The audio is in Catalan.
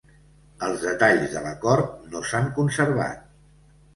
Els detalls de l'acord no s'han conservat.